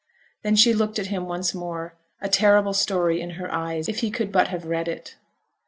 Then she looked at him once more, a terrible story in her eyes, if he could but have read it.